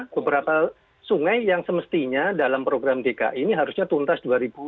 beberapa sungai yang semestinya dalam program dki ini harusnya tuntas dua ribu dua puluh